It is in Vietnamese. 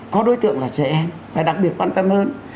có đối tượng là trẻ em và đặc biệt quan tâm hơn